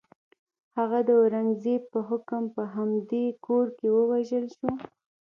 هغه د اورنګزېب په حکم په همدې کور کې ووژل شو.